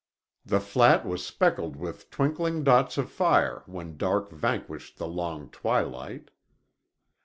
The flat was speckled with twinkling dots of fire when dark vanquished the long twilight.